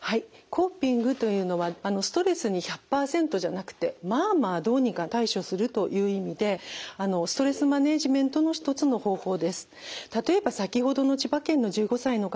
コーピングというのはストレスに１００％じゃなくてまあまあどうにか対処するという意味でストレスマネジメントの一つの方法です。